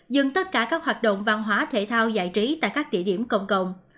dừng tất cả các hoạt động văn hóa thể thao giải trí tại các địa điểm công cộng